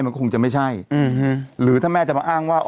มันคงจะไม่ใช่อืมฮึหรือถ้าแม่จะมาอ้างว่าอ๋อ